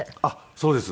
そうです。